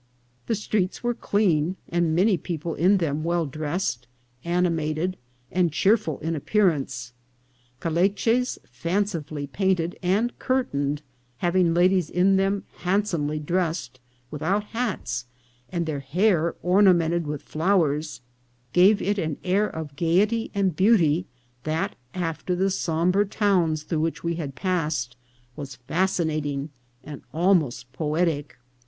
The streets were clean, and many people in them well dressed, animated, and cheerful in appearance ; caleches fancifully paint ed and curtained, having ladies in them handsomely dressed, without hats, and their hair ornamented with flowers, gave it an air of gayety and beauty that, after the sombre towns through which we had passed, was fascinating and almost poetic.